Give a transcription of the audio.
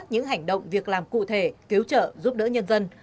những hành động việc làm cụ thể cứu trợ giúp đỡ nhân dân